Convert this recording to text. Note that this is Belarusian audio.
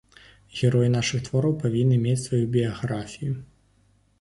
Героі нашых твораў павінны мець сваю біяграфію.